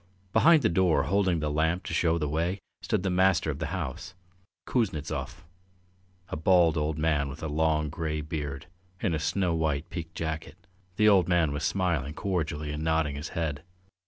Behind the door, holding the lamp to show the way, stood the master of the house, Kuznetsov, a bald old man with a long grey beard, in a snow white piqué jacket. The old man was smiling cordially and nodding his head.